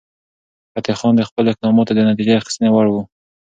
فتح خان د خپلو اقداماتو د نتیجه اخیستنې وړ و.